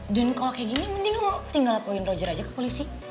dan kalau kayak gini mending lo tinggal laporin roger aja ke polisi